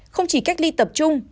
không chỉ cách ly tập trung